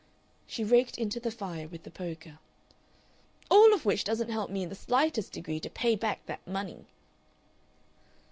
She raked into the fire with the poker. "All of which doesn't help me in the slightest degree to pay back that money."